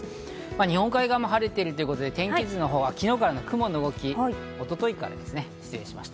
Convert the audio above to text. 日本海側も晴れているということで、天気図は昨日からの雲の動き、一昨日からですね、失礼いたしました。